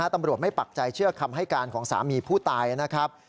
ตำรวจไม่ปักใจเชื่อคำให้การของสามีผู้ตายนะครับ